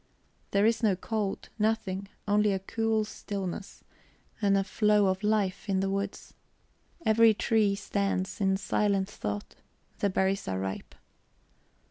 There is no cold; nothing, only a cool stillness and a flow of life in the woods. Every tree stands in silent thought. The berries are ripe.